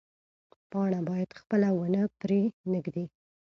پاڼه باید خپله ونه پرې نه ږدي.